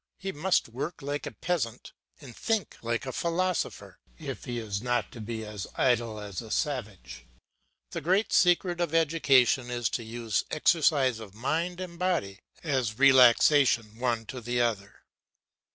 He must work like a peasant and think like a philosopher, if he is not to be as idle as a savage. The great secret of education is to use exercise of mind and body as relaxation one to the other.